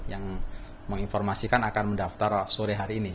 yang menginformasikan akan mendaftar sore hari ini